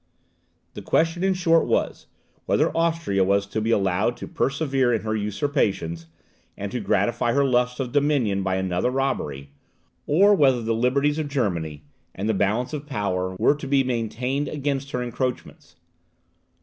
The question in short was, whether Austria was to be allowed to persevere in her usurpations, and to gratify her lust of dominion by another robbery; or whether the liberties of Germany, and the balance of power, were to be maintained against her encroachments.